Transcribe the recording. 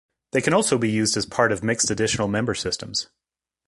They can also be used as part of mixed additional member systems.